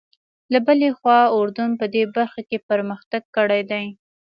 له بلې خوا اردن په دې برخه کې پرمختګ کړی دی.